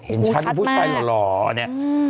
เห็นชั้นผู้ชายหล่อเนี่ย